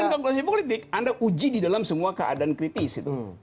bukan kalkulasi politik anda uji di dalam semua keadaan kritis